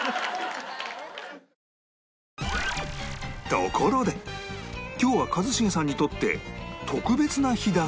ところで今日は一茂さんにとって特別な日だそうで